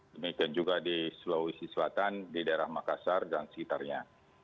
demikian juga di sulawesi selatan di daerah makassar dan sekitarnya